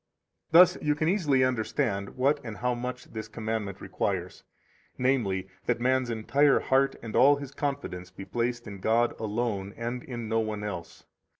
13 Thus you can easily understand what and how much this commandment requires, namely, that man's entire heart and all his confidence be placed in God alone, and in no one else.